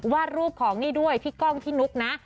วาดรูปของนี่ด้วยพี่ก้องพี่นุ๊กนะ